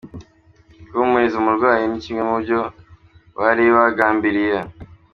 Guhumuriza umurwayi ni kimwe mubyo bari bagambiriye.